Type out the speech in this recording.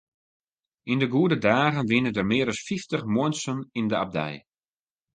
Yn de goede dagen wiene der mear as fyftich muontsen yn de abdij.